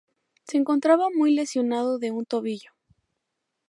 Se encontraba muy lesionado de un tobillo.